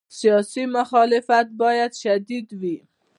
سیاسي مخالفت باید شدید وي.